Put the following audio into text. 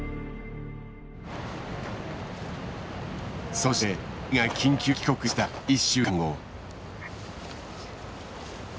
そして２人が緊急帰国した１週間後。